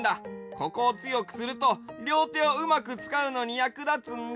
ここをつよくするとりょうてをうまくつかうのにやくだつんだ。